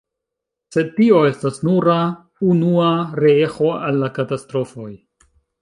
Sed tio estas nura unua reeĥo al la katastrofoj.